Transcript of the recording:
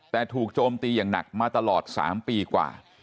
แต่ถูกโจมตีอย่างหนักมาตลอด๓ปีกว่า